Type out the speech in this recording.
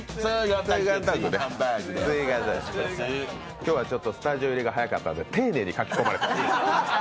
今日はスタジオ入りが早かったんで丁寧に描き込まれて。